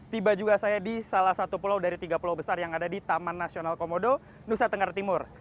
tiba juga saya di salah satu pulau dari tiga pulau besar yang ada di taman nasional komodo nusa tenggara timur